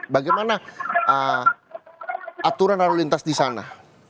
bagaimana aturan lalu lintas di sana